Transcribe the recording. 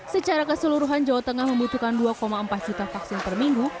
secara keseluruhan jawa tengah membutuhkan dua empat juta vaksin per minggu